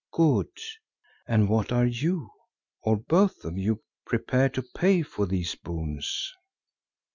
Good. And what are you, or both of you, prepared to pay for these boons?